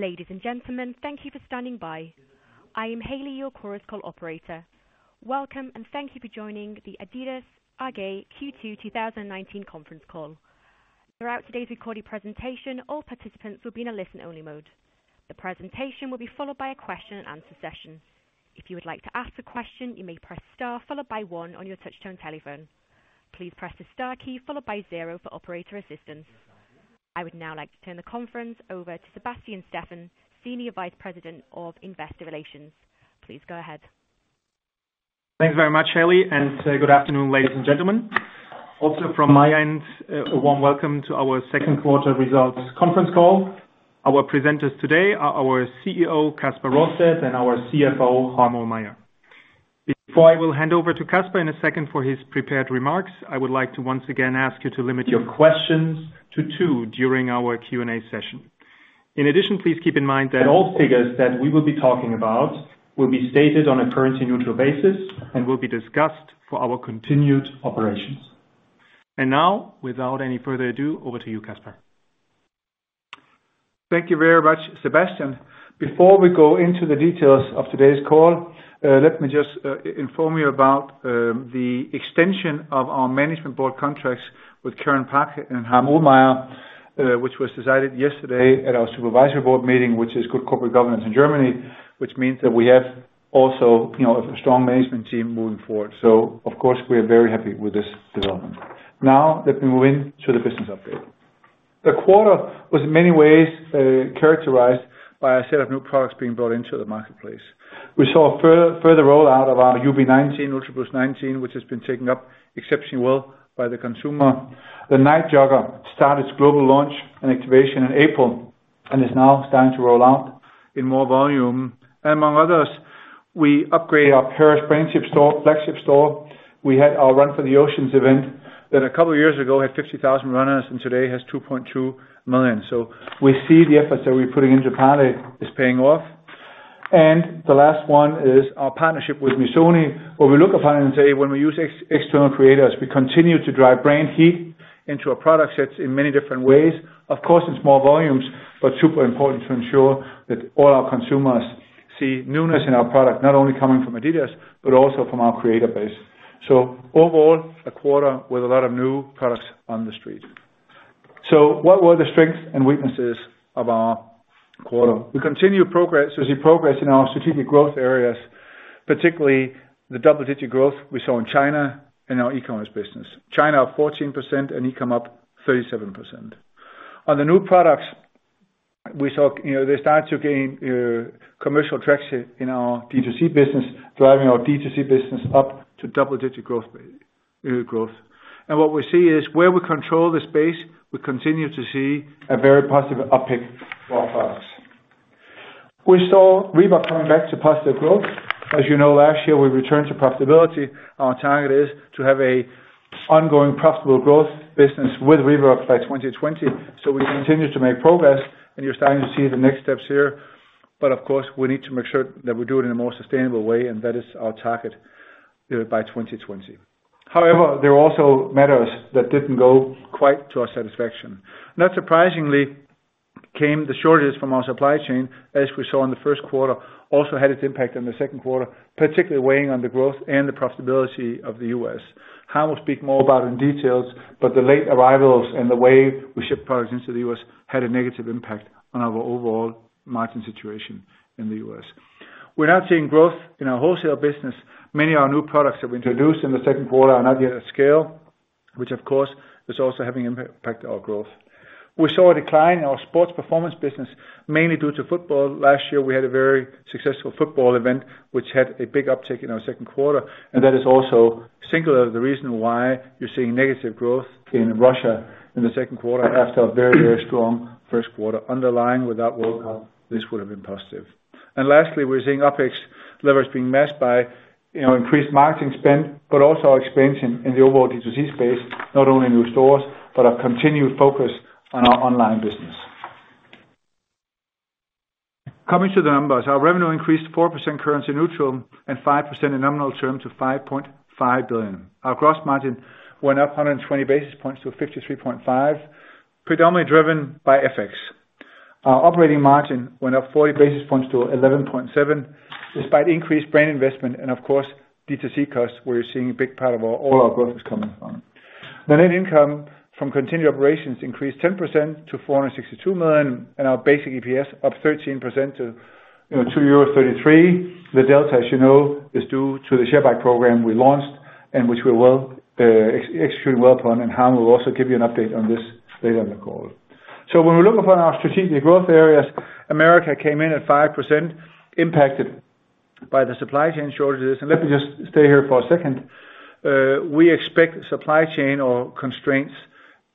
Ladies and gentlemen, thank you for standing by. I am Haley, your Chorus Call operator. Welcome, and thank you for joining the adidas AG Q2 2019 conference call. Throughout today's recorded presentation, all participants will be in a listen-only mode. The presentation will be followed by a question and answer session. If you would like to ask a question, you may press star followed by 1 on your touch-tone telephone. Please press the star key followed by 0 for operator assistance. I would now like to turn the conference over to Sebastian Steffen, Senior Vice President of Investor Relations. Please go ahead. Thanks very much, Haley, and good afternoon, ladies and gentlemen. Also from my end, a warm welcome to our second quarter results conference call. Our presenters today are our CEO, Kasper Rørsted, and our CFO, Harm Ohlmeyer. Before I will hand over to Kasper in a second for his prepared remarks, I would like to once again ask you to limit your questions to two during our Q&A session. In addition, please keep in mind that all figures that we will be talking about will be stated on a currency-neutral basis and will be discussed for our continued operations. Now, without any further ado, over to you, Kasper. Thank you very much, Sebastian. Before we go into the details of today's call, let me just inform you about the extension of our management board contracts with Karen Parkin and Harm Ohlmeyer, which was decided yesterday at our supervisory board meeting, which is good corporate governance in Germany, which means that we have also a strong management team moving forward. Of course, we are very happy with this development. Let me move in to the business update. The quarter was in many ways characterized by a set of new products being brought into the marketplace. We saw a further rollout of our UB19, Ultraboost 19, which has been taken up exceptionally well by the consumer. The Nite Jogger started its global launch and activation in April and is now starting to roll out in more volume. Among others, we upgrade our Paris flagship store. We had our Run for the Oceans event that a couple of years ago had 50,000 runners and today has 2.2 million. We see the efforts that we're putting into planet is paying off. The last one is our partnership with Missoni, where we look upon and say, when we use external creators, we continue to drive brand heat into our product sets in many different ways. Of course, it's more volumes, but super important to ensure that all our consumers see newness in our product, not only coming from adidas but also from our creator base. Overall, a quarter with a lot of new products on the street. What were the strengths and weaknesses of our quarter? We continue to see progress in our strategic growth areas, particularly the double-digit growth we saw in China and our e-commerce business. China, 14%, and e-com up 37%. On the new products, they start to gain commercial traction in our D2C business, driving our D2C business up to double-digit growth. What we see is where we control the space, we continue to see a very positive uptick for our products. We saw Reebok coming back to positive growth. As you know, last year, we returned to profitability. Our target is to have an ongoing profitable growth business with Reebok by 2020. We continue to make progress, and you're starting to see the next steps here. Of course, we need to make sure that we do it in a more sustainable way, and that is our target by 2020. There are also matters that didn't go quite to our satisfaction. Not surprisingly came the shortage from our supply chain, as we saw in the first quarter, also had its impact on the second quarter, particularly weighing on the growth and the profitability of the U.S. Harm will speak more about it in details, the late arrivals and the way we ship products into the U.S. had a negative impact on our overall margin situation in the U.S. We're now seeing growth in our wholesale business. Many of our new products that we introduced in the second quarter are not yet at scale, which of course, is also having impact our growth. We saw a decline in our sports performance business, mainly due to football. Last year, we had a very successful World Cup which had a big uptick in our second quarter. That is also singular the reason why you're seeing negative growth in Russia in the second quarter after a very strong first quarter. Underlying with that World Cup, this would have been positive. Lastly, we're seeing OpEx leverage being masked by increased marketing spend, but also our expansion in the overall D2C space, not only new stores, but our continued focus on our online business. Coming to the numbers, our revenue increased 4% currency neutral and 5% in nominal terms to 5.5 billion. Our gross margin went up 120 basis points to 53.5%, predominantly driven by FX. Our operating margin went up 40 basis points to 11.7% despite increased brand investment, and of course, D2C costs, where you're seeing a big part of where all our growth is coming from. The net income from continued operations increased 10% to 462 million, our basic EPS up 13% to €2.33. The delta, as you know, is due to the share buyback program we launched and which we're executing well on. Harm will also give you an update on this later in the call. When we look upon our strategic growth areas, America came in at 5% impacted by the supply chain shortages. Let me just stay here for a second. We expect supply chain or constraints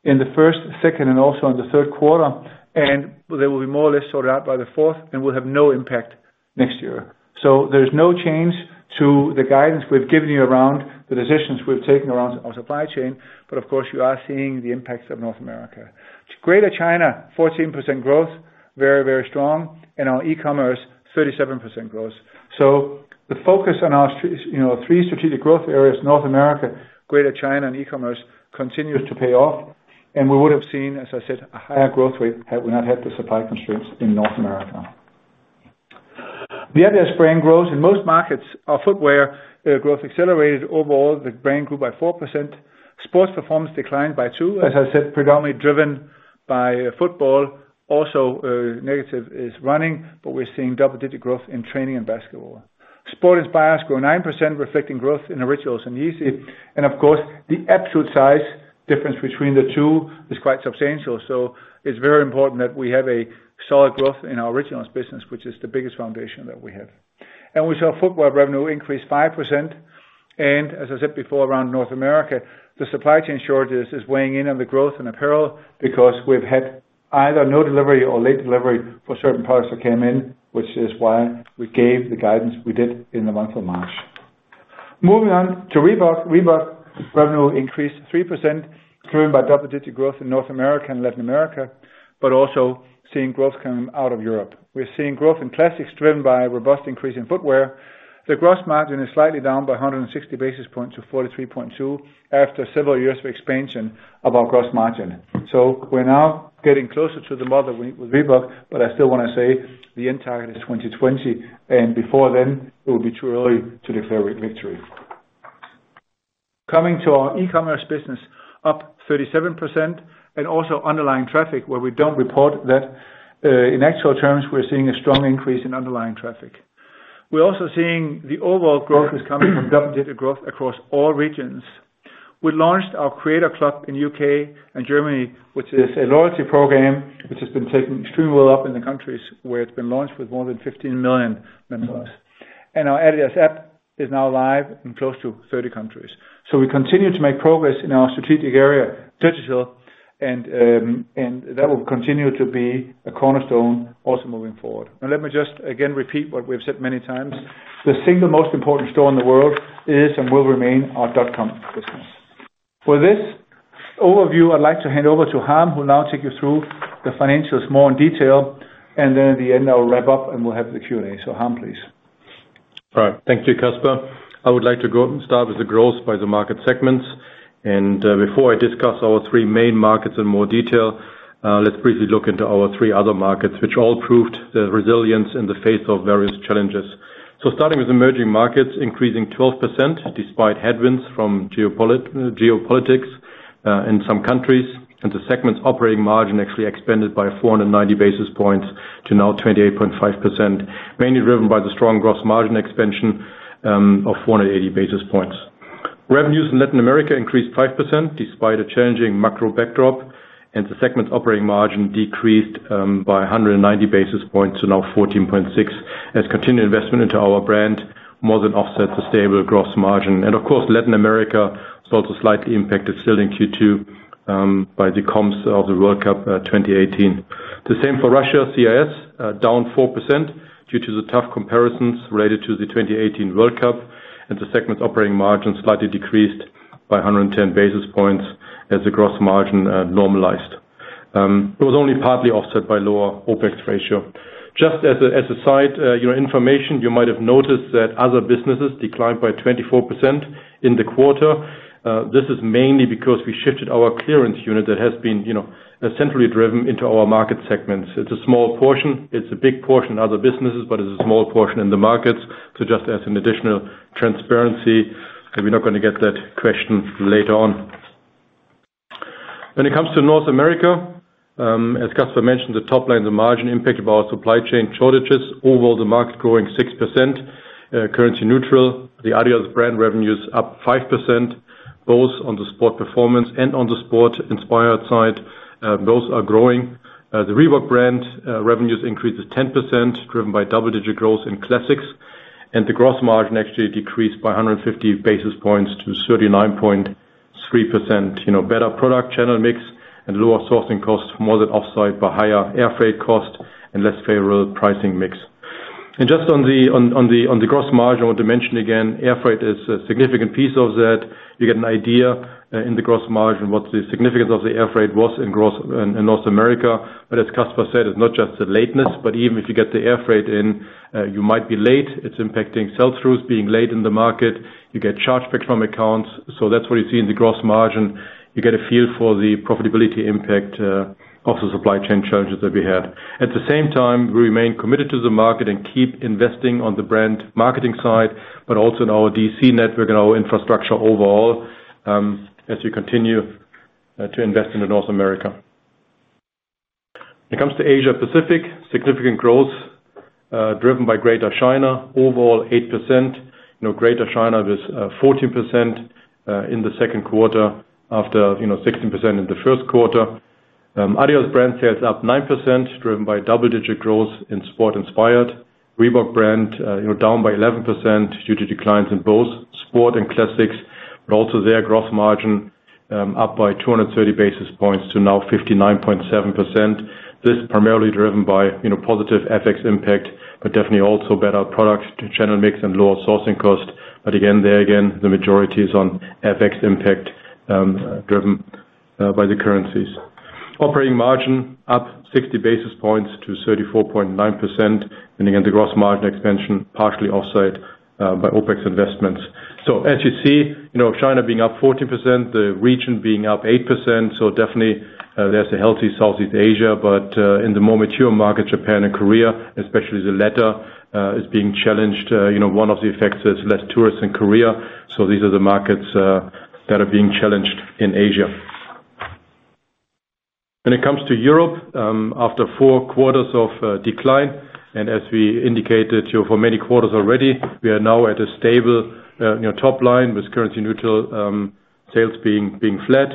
in the first, second, and also in the third quarter. They will be more or less sorted out by the fourth and will have no impact next year. There is no change to the guidance we've given you around the decisions we've taken around our supply chain. Of course, you are seeing the impacts of North America. Greater China, 14% growth, very strong. Our e-commerce, 37% growth. The focus on our three strategic growth areas, North America, Greater China, and e-commerce, continues to pay off, and we would have seen, as I said, a higher growth rate had we not had the supply constraints in North America. The adidas brand grows in most markets. Our footwear growth accelerated overall. The brand grew by 4%. Sports Performance declined by 2%, as I said, predominantly driven by football. Also negative is running, but we're seeing double-digit growth in training and basketball. Sport Inspired grew 9%, reflecting growth in Originals and Yeezy. Of course, the absolute size difference between the two is quite substantial. It's very important that we have a solid growth in our Originals business, which is the biggest foundation that we have. We saw footwear revenue increase 5%. As I said before, around North America, the supply chain shortages is weighing in on the growth in apparel because we've had either no delivery or late delivery for certain products that came in, which is why we gave the guidance we did in the month of March. Moving on to Reebok. Reebok revenue increased 3%, driven by double-digit growth in North America and Latin America, but also seeing growth coming out of Europe. We're seeing growth in classics driven by a robust increase in footwear. The gross margin is slightly down by 160 basis points to 43.2 after several years of expansion of our gross margin. We're now getting closer to the model with Reebok, but I still want to say the end target is 2020, and before then, it will be too early to declare victory. Coming to our e-commerce business, up 37%, and also underlying traffic, where we don't report that. In actual terms, we're seeing a strong increase in underlying traffic. We're also seeing the overall growth is coming from double-digit growth across all regions. We launched our Creators Club in U.K. and Germany, which is a loyalty program which has been taken extremely well up in the countries where it's been launched with more than 15 million members. Our adidas app is now live in close to 30 countries. We continue to make progress in our strategic area, digital, and that will continue to be a cornerstone also moving forward. Let me just again repeat what we've said many times. The single most important store in the world is and will remain our dot-com business. For this overview, I'd like to hand over to Harm, who will now take you through the financials more in detail, and then at the end, I will wrap up, and we'll have the Q&A. Harm, please. All right. Thank you, Kasper. I would like to start with the growth by the market segments. Before I discuss our three main markets in more detail, let's briefly look into our three other markets, which all proved their resilience in the face of various challenges. Starting with emerging markets, increasing 12%, despite headwinds from geopolitics in some countries, and the segment's operating margin actually expanded by 490 basis points to now 28.5%, mainly driven by the strong gross margin expansion of 180 basis points. Revenues in Latin America increased 5% despite a challenging macro backdrop, and the segment's operating margin decreased by 190 basis points to now 14.6% as continued investment into our brand more than offset the stable gross margin. Of course, Latin America saw the slightly impact still in Q2 by the comps of the World Cup 2018. The same for Russia/CIS, down 4% due to the tough comparisons related to the 2018 World Cup, the segment's operating margin slightly decreased by 110 basis points as the gross margin normalized. It was only partly offset by lower OpEx ratio. Just as a side, your information, you might have noticed that other businesses declined by 24% in the quarter. This is mainly because we shifted our clearance unit that has been essentially driven into our market segments. It's a small portion. It's a big portion in other businesses, but it's a small portion in the markets. Just as an additional transparency, and we're not going to get that question later on. When it comes to North America, as Kasper mentioned, the top line, the margin impact of our supply chain shortages. Overall, the market growing 6%, currency neutral. The adidas brand revenue is up 5%, both on the sport performance and on the sport-inspired side. Both are growing. The Reebok brand revenues increased to 10%, driven by double-digit growth in classics, and the gross margin actually decreased by 150 basis points to 39.3%. Better product channel mix and lower sourcing costs more than offset by higher air freight cost and less favorable pricing mix. Just on the gross margin, I want to mention again, air freight is a significant piece of that. You get an idea in the gross margin what the significance of the air freight was in North America. As Kasper said, it's not just the lateness, but even if you get the air freight in, you might be late. It's impacting sell-throughs being late in the market. You get charged back from accounts. That's what you see in the gross margin. You get a feel for the profitability impact of the supply chain challenges that we had. At the same time, we remain committed to the market and keep investing on the brand marketing side, but also in our DC network and our infrastructure overall as we continue to invest in North America. When it comes to Asia-Pacific, significant growth driven by Greater China. Overall, 8%. Greater China was 14% in the second quarter after 16% in the first quarter. adidas brand sales up 9%, driven by double-digit growth in sport-inspired. Reebok brand down by 11% due to declines in both sport and classics, but also their gross margin up by 230 basis points to now 59.7%. This primarily driven by positive FX impact, but definitely also better product channel mix and lower sourcing cost. Again, there again, the majority is on FX impact driven by the currencies. Operating margin up 60 basis points to 34.9%, again, the gross margin expansion partially offset by OpEx investments. As you see, China being up 14%, the region being up 8%, definitely there's a healthy Southeast Asia. In the more mature market, Japan and Korea, especially the latter, is being challenged. One of the effects is less tourists in Korea. These are the markets that are being challenged in Asia. When it comes to Europe, after four quarters of decline, as we indicated for many quarters already, we are now at a stable top line with currency neutral sales being flat.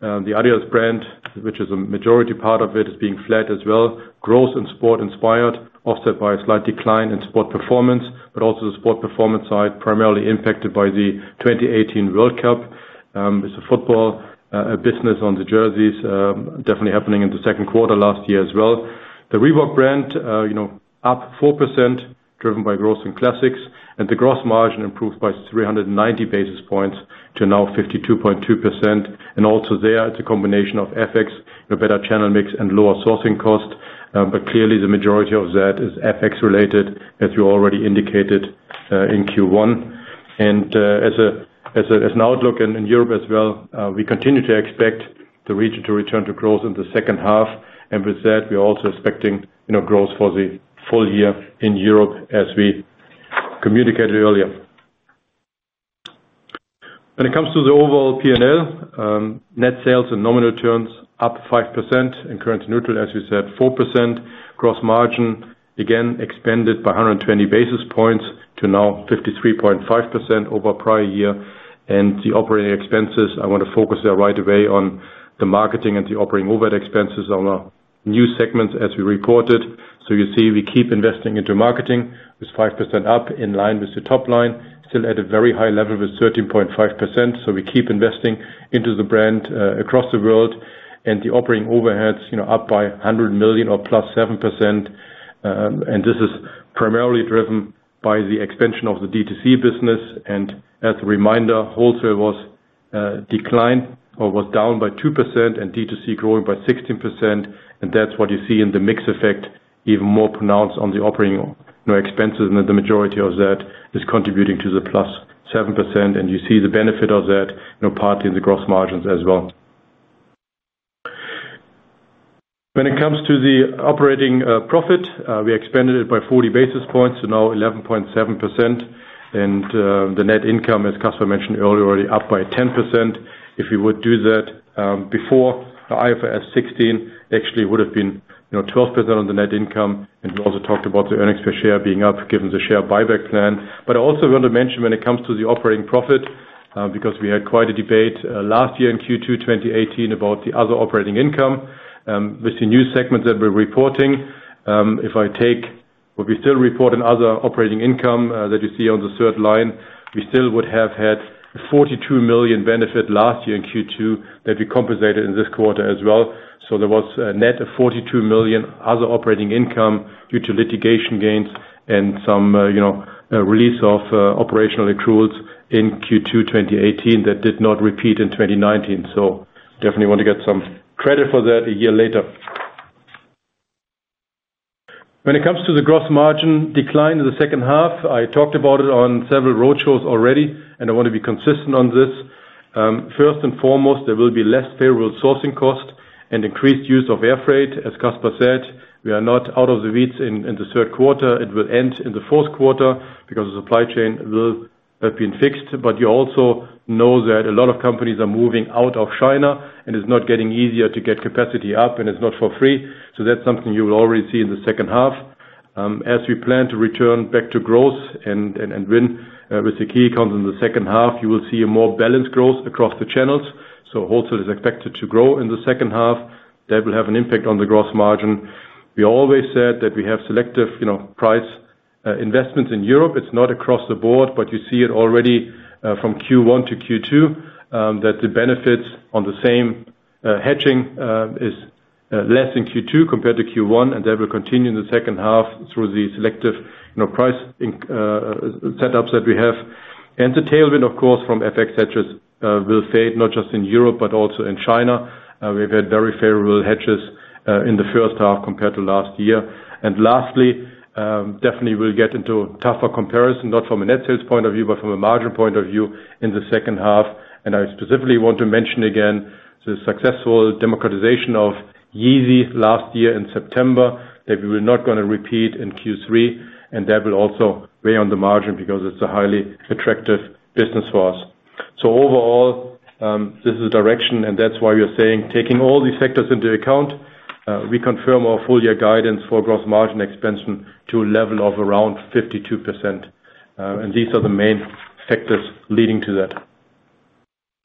The adidas brand, which is a majority part of it, is being flat as well. Growth in sport inspired, offset by a slight decline in sport performance, also the sport performance side primarily impacted by the 2018 World Cup. It's a football business on the jerseys, definitely happening in the second quarter last year as well. The Reebok brand up 4%, driven by growth in classics, and the gross margin improved by 390 basis points to now 52.2%. Also there, it's a combination of FX, better channel mix, and lower sourcing cost. Clearly the majority of that is FX related, as we already indicated in Q1. As an outlook in Europe as well, we continue to expect the region to return to growth in the second half. With that, we're also expecting growth for the full year in Europe as we communicated earlier. When it comes to the overall P&L, net sales and nominal turns up 5% and currency neutral, as we said, 4%. Gross margin, again expanded by 120 basis points to now 53.5% over prior year. The operating expenses, I want to focus there right away on the marketing and the operating overhead expenses on our new segments as we reported. You see, we keep investing into marketing with 5% up in line with the top line, still at a very high level with 13.5%. We keep investing into the brand across the world and the operating overheads up by 100 million or +7%. This is primarily driven by the expansion of the D2C business. As a reminder, wholesale was declined or was down by 2% and D2C growing by 16%. That's what you see in the mix effect, even more pronounced on the operating expenses. The majority of that is contributing to the +7%. You see the benefit of that partly in the gross margins as well. When it comes to the operating profit, we expanded it by 40 basis points to now 11.7%. The net income, as Kasper mentioned earlier, up by 10%. If we would do that before the IFRS 16, actually it would have been 12% on the net income. We also talked about the earnings per share being up given the share buyback plan. I also want to mention when it comes to the operating profit, because we had quite a debate last year in Q2 2018 about the other operating income with the new segment that we're reporting. If I take what we still report in other operating income that you see on the third line, we still would have had 42 million benefit last year in Q2 that we compensated in this quarter as well. There was a net of 42 million other operating income due to litigation gains and some release of operational accruals in Q2 2018 that did not repeat in 2019. Definitely want to get some credit for that a year later. When it comes to the gross margin decline in the second half, I talked about it on several road shows already, and I want to be consistent on this. First and foremost, there will be less favorable sourcing cost and increased use of air freight. As Kasper said, we are not out of the weeds in the third quarter. It will end in the fourth quarter because the supply chain will have been fixed. You also know that a lot of companies are moving out of China, and it's not getting easier to get capacity up, and it's not for free. That's something you will already see in the second half. As we plan to return back to growth and win with the key comes in the second half, you will see a more balanced growth across the channels. Wholesale is expected to grow in the second half. That will have an impact on the gross margin. We always said that we have selective price investments in Europe. It's not across the board, but you see it already from Q1 to Q2, that the benefits on the same hedging is less in Q2 compared to Q1, and that will continue in the second half through the selective price setups that we have. The tailwind, of course, from FX hedges will fade, not just in Europe but also in China. We've had very favorable hedges in the first half compared to last year. Lastly, definitely we'll get into tougher comparison, not from a net sales point of view, but from a margin point of view in the second half. I specifically want to mention again, the successful democratization of Yeezy last year in September, that we will not going to repeat in Q3, and that will also weigh on the margin because it's a highly attractive business for us. Overall, this is the direction, and that's why we are saying, taking all these factors into account, we confirm our full-year guidance for gross margin expansion to a level of around 52%. These are the main factors leading to that.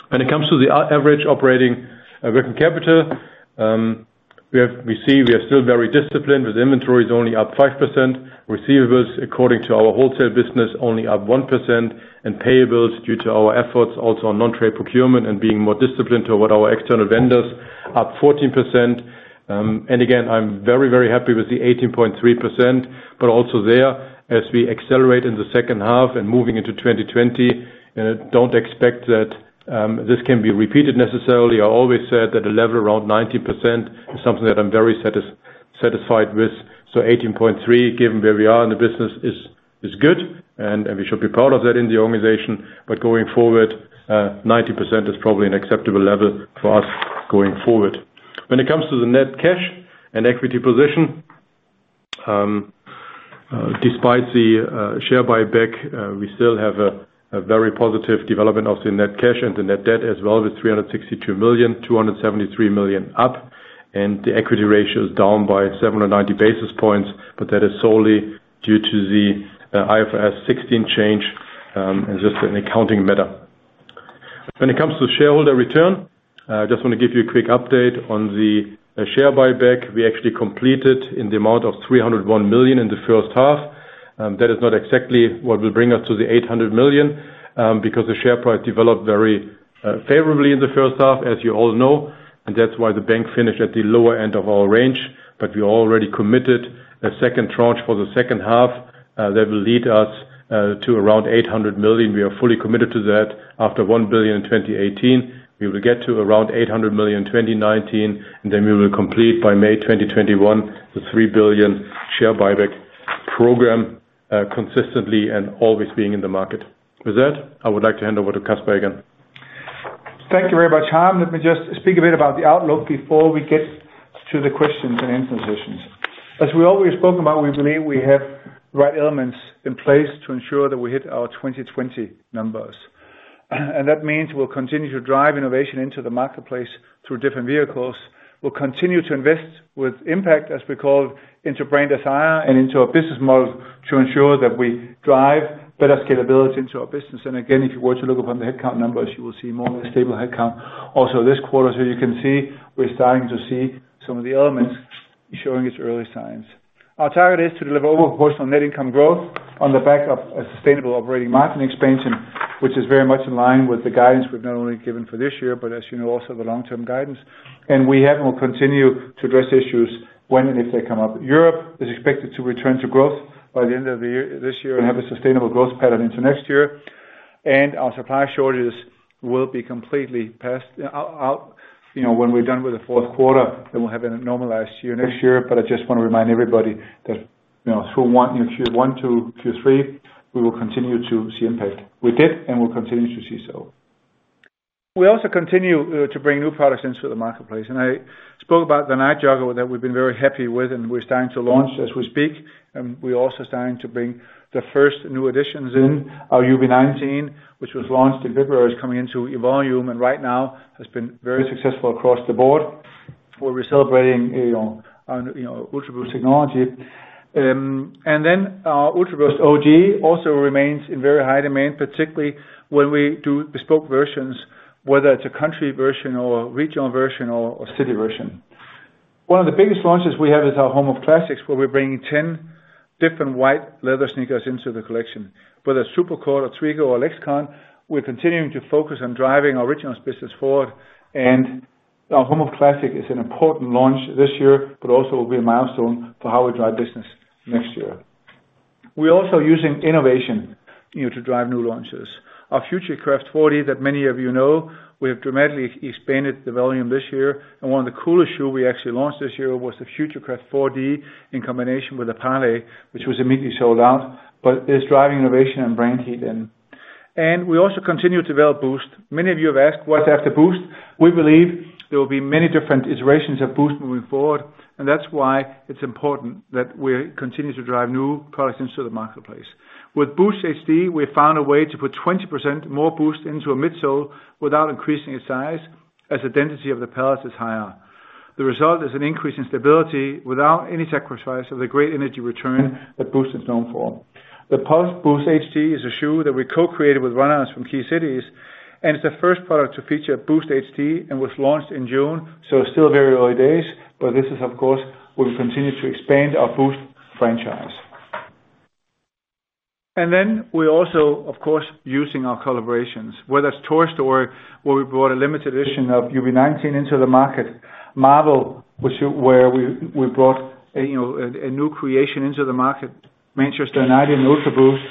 When it comes to the average operating working capital, we see we are still very disciplined with inventories only up 5%, receivables according to our wholesale business only up 1%, and payables due to our efforts also on non-trade procurement and being more disciplined toward our external vendors, up 14%. Again, I'm very, very happy with the 18.3%, but also there, as we accelerate in the second half and moving into 2020, don't expect that this can be repeated necessarily. I always said that a level around 90% is something that I'm very satisfied with. 18.3%, given where we are in the business, is good, and we should be proud of that in the organization. Going forward, 90% is probably an acceptable level for us going forward. When it comes to the net cash and equity position, despite the share buyback, we still have a very positive development of the net cash and the net debt as well, with 362 million, 273 million up, and the equity ratio is down by 790 basis points, but that is solely due to the IFRS 16 change, and just an accounting matter. When it comes to shareholder return, I just want to give you a quick update on the share buyback. We actually completed in the amount of 301 million in the first half. That is not exactly what will bring us to the 800 million, because the share price developed very favorably in the first half, as you all know. That's why the buyback finished at the lower end of our range. We already committed a second tranche for the second half that will lead us to around 800 million. We are fully committed to that. After 1 billion in 2018, we will get to around 800 million in 2019, and then we will complete by May 2021 the 3 billion share buyback program consistently and always being in the market. With that, I would like to hand over to Kasper again. Thank you very much, Harm. Let me just speak a bit about the outlook before we get to the questions and answers sessions. As we always spoken about, we believe we have the right elements in place to ensure that we hit our 2020 numbers. That means we'll continue to drive innovation into the marketplace through different vehicles. We'll continue to invest with impact, as we called, into brand desire and into our business models to ensure that we drive better scalability into our business. Again, if you were to look upon the headcount numbers, you will see more of a stable headcount also this quarter. You can see we're starting to see some of the elements showing its early signs. Our target is to deliver overall wholesale net income growth on the back of a sustainable operating margin expansion, which is very much in line with the guidance we've not only given for this year, but as you know, also the long-term guidance. We have and will continue to address issues when and if they come up. Europe is expected to return to growth by the end of this year and have a sustainable growth pattern into next year. Our supply shortages will be completely passed out when we're done with the fourth quarter, then we'll have a normalized year next year. I just want to remind everybody that through Q1 to Q3, we will continue to see impact. We did, and we'll continue to see so. We also continue to bring new products into the marketplace. I spoke about the Nite Jogger that we've been very happy with, and we're starting to launch as we speak. We're also starting to bring the first new additions in our UB19, which was launched in February. It's coming into volume, and right now has been very successful across the board, where we're celebrating Ultraboost technology. Our Ultraboost OG also remains in very high demand, particularly when we do bespoke versions, whether it's a country version or a regional version or city version. One of the biggest launches we have is our Home of Classics, where we're bringing 10 different white leather sneakers into the collection. Whether it's Supercourt or Twigo or Lacombe, we're continuing to focus on driving our originals business forward. Our Home of Classics is an important launch this year, but also will be a milestone for how we drive business next year. We're also using innovation to drive new launches. Our Futurecraft 4D that many of you know, we have dramatically expanded the volume this year, and one of the coolest shoe we actually launched this year was the Futurecraft 4D in combination with the Parley, which was immediately sold out, but is driving innovation and brand heat in. We also continue to develop Boost. Many of you have asked what's after Boost. We believe there will be many different iterations of Boost moving forward, and that's why it's important that we continue to drive new products into the marketplace. With Boost HD, we found a way to put 20% more Boost into a midsole without increasing its size, as the density of the pellets is higher. The result is an increase in stability without any sacrifice of the great energy return that Boost is known for. It's the first product to feature Boost HD and was launched in June, still very early days, this is, of course, we'll continue to expand our Boost franchise. We're also, of course, using our collaborations, whether it's Toy Story, where we brought a limited edition of UB19 into the market. Marvel, where we brought a new creation into the market, Manchester United and Ultraboost,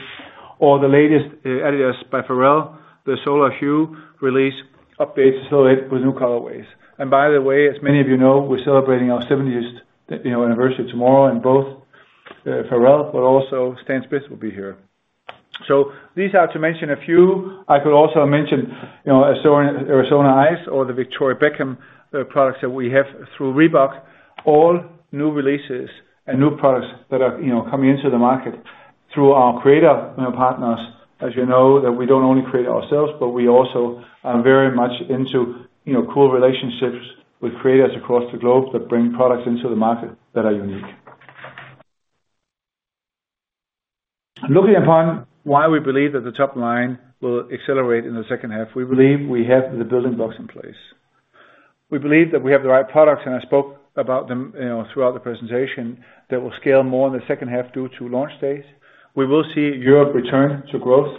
or the latest adidas by Pharrell, the Solar Hu release updates to celebrate with new colorways. By the way, as many of you know, we're celebrating our 70th anniversary tomorrow, and both Pharrell but also Stan Smith will be here. These are to mention a few. I could also mention AriZona Iced or the Victoria Beckham products that we have through Reebok. All new releases and new products that are coming into the market through our creator partners, as you know, that we don't only create ourselves, but we also are very much into cool relationships with creators across the globe that bring products into the market that are unique. Looking upon why we believe that the top line will accelerate in the second half, we believe we have the building blocks in place. We believe that we have the right products, and I spoke about them throughout the presentation, that will scale more in the second half due to launch dates. We will see Europe return to growth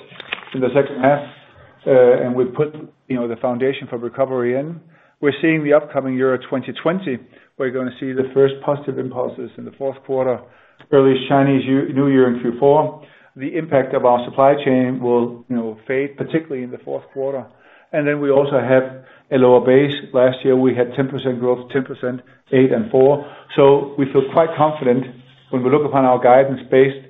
in the second half, and we've put the foundation for recovery in. We're seeing the upcoming Euro 2020. We're going to see the first positive impulses in the fourth quarter, early Chinese New Year in Q4. The impact of our supply chain will fade, particularly in the fourth quarter. We also have a lower base. Last year, we had 10% growth, 10%, 8%, and 4%. We feel quite confident when we look upon our guidance based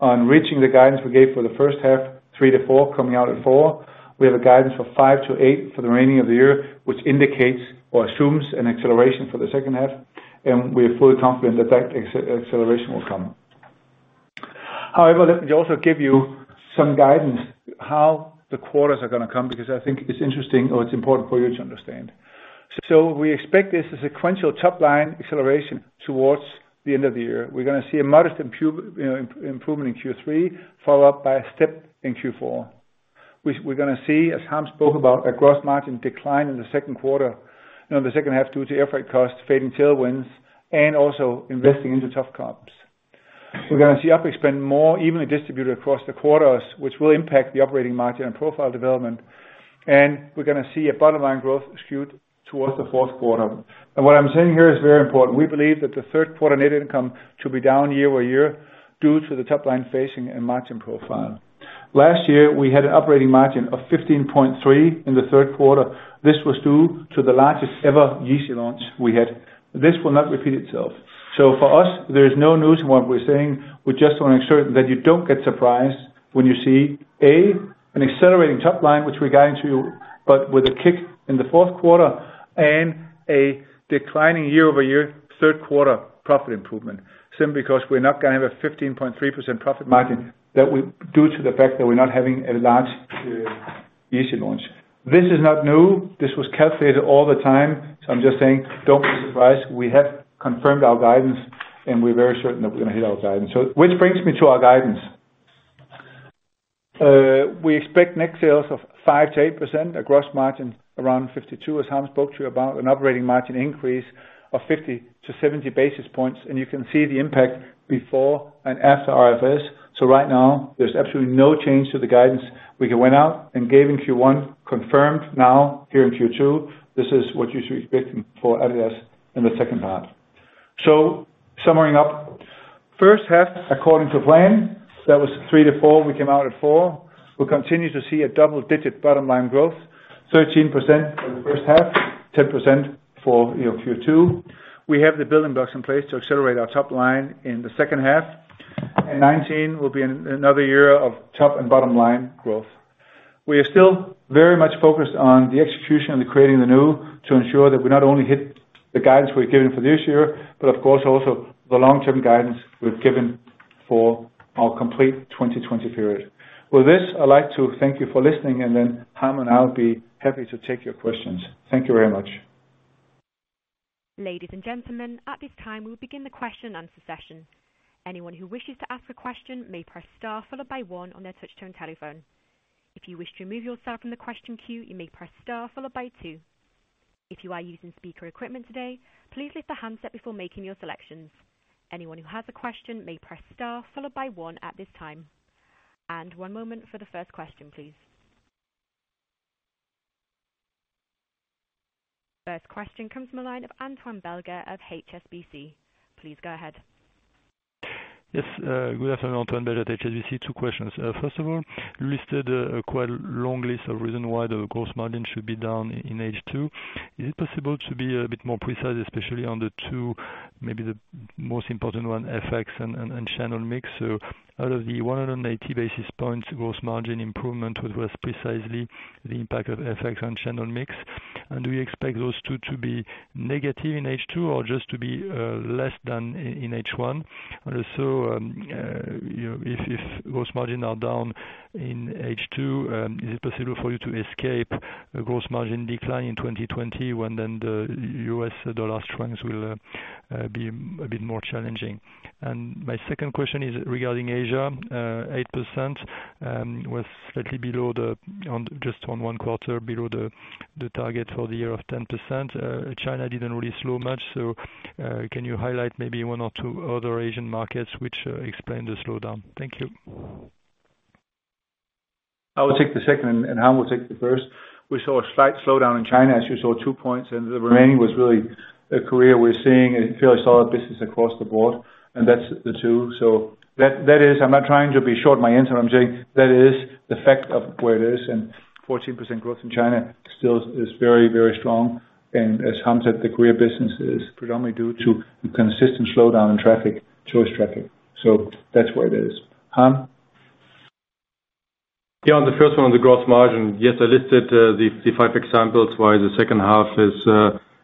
on reaching the guidance we gave for the first half, 3%-4%, coming out at 4%. We have a guidance for 5%-8% for the remaining of the year, which indicates or assumes an acceleration for the second half, and we are fully confident that that acceleration will come. However, let me also give you some guidance how the quarters are going to come, because I think it's interesting or it's important for you to understand. We expect this sequential top line acceleration towards the end of the year. We're going to see a modest improvement in Q3, followed up by a step in Q4, which we're going to see, as Harm spoke about, a gross margin decline in the second quarter, the second half due to air freight costs, fading tailwinds, and also investing into tough comps. We're going to see OpEx spend more evenly distributed across the quarters, which will impact the operating margin and profile development. We're going to see a bottom line growth skewed towards the fourth quarter. What I'm saying here is very important. We believe that the third quarter net income to be down year-over-year due to the top line facing and margin profile. Last year, we had an operating margin of 15.3 in the third quarter. This was due to the largest ever Yeezy launch we had. This will not repeat itself. For us, there is no news in what we're saying. We just want to make sure that you don't get surprised when you see, A, an accelerating top line, which we're guiding to you, but with a kick in the fourth quarter and a declining year-over-year, third quarter profit improvement, simply because we're not going to have a 15.3% profit margin due to the fact that we're not having a large Yeezy launch. This is not new. This was calculated all the time. I'm just saying, don't be surprised. We have confirmed our guidance, and we're very certain that we're going to hit our guidance. Which brings me to our guidance. We expect net sales of 5%-8%, a gross margin around 52, as Harm spoke to you about, an operating margin increase of 50-70 basis points. You can see the impact before and after RFS. Right now, there's absolutely no change to the guidance we went out and gave in Q1, confirmed now here in Q2. This is what you should expect for adidas in the second half. Summarizing up, first half, according to plan, that was three to four, we came out at four. We continue to see a double-digit bottom line growth, 13% for the first half, 10% for Q2. We have the building blocks in place to accelerate our top line in the second half. 2019 will be another year of top and bottom line growth. We are still very much focused on the execution of the Creating the New to ensure that we not only hit the guidance we've given for this year, but of course, also the long-term guidance we've given for our complete 2020 period. With this, I'd like to thank you for listening, and then Harm and I will be happy to take your questions. Thank you very much. Ladies and gentlemen, at this time, we'll begin the question and answer session. Anyone who wishes to ask a question may press star followed by one on their touch-tone telephone. If you wish to remove yourself from the question queue, you may press star followed by two. If you are using speaker equipment today, please lift the handset before making your selections. Anyone who has a question may press star followed by one at this time. One moment for the first question, please. First question comes from the line of Antoine Belge of HSBC. Please go ahead. Yes. Good afternoon, Antoine Belge at HSBC. Two questions. First of all, you listed quite a long list of reasons why the gross margin should be down in H2. Is it possible to be a bit more precise, especially on the two, maybe the most important one, FX and channel mix? Out of the 180 basis points gross margin improvement, what was precisely the impact of FX and channel mix? Do you expect those two to be negative in H2 or just to be less than in H1? Also, if gross margin are down in H2, is it possible for you to escape a gross margin decline in 2020 when then the U.S. dollar trends will be a bit more challenging? My second question is regarding Asia, 8% was slightly below the, just on one quarter, below the target for the year of 10%. China didn't really slow much. Can you highlight maybe one or two other Asian markets which explain the slowdown? Thank you. I will take the second, Harm will take the first. We saw a slight slowdown in China, as you saw two points, the remaining was really Korea. We're seeing a fairly solid business across the board, that's the two. That is, I'm not trying to be short my answer, I'm saying that is the fact of where it is, 14% growth in China still is very, very strong. As Harm said, the Korea business is predominantly due to the consistent slowdown in traffic, choice tracking. That's where it is. Harm? Yeah, on the first one on the gross margin, yes, I listed the five examples why the second half is